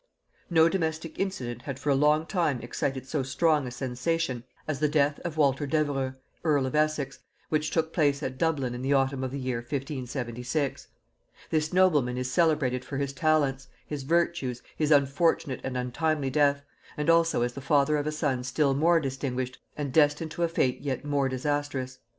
No domestic incident had for a long time excited so strong a sensation as the death of Walter Devereux earl of Essex, which took place at Dublin in the autumn of the year 1576. This nobleman is celebrated for his talents, his virtues, his unfortunate and untimely death, and also as the father of a son still more distinguished and destined to a fate yet more disastrous.